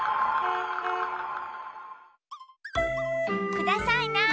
くださいな。